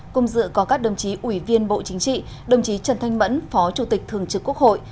cùng dự có các đồng chí ủy viên bộ chính trị đồng chí trần thanh mẫn phó chủ tịch thường trực quốc hội